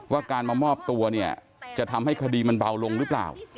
การมามอบตัวเนี่ยจะทำให้คดีมันเบาลงหรือเปล่า